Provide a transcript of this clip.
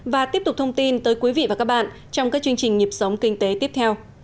và tiếp tục thông tin tới quý vị và các bạn trong các chương trình nhịp sống kinh tế tiếp theo